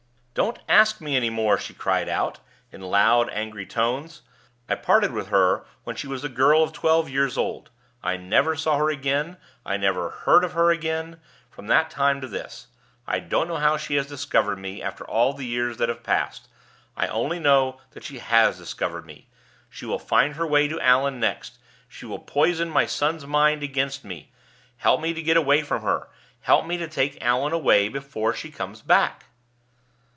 "Don't ask me any more!" she cried out, in loud, angry tones. "I parted with her when she was a girl of twelve years old. I never saw her again, I never heard of her again, from that time to this. I don't know how she has discovered me, after all the years that have passed; I only know that she has discovered me. She will find her way to Allan next; she will poison my son's mind against me. Help me to get away from her! help me to take Allan away before she comes back!"